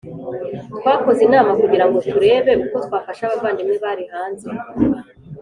Twakoze inama kugira ngo turebe uko twafasha abavandimwe bari hanze